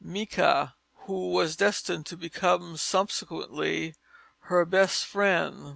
Micas, who was destined to become, subsequently, her best friend.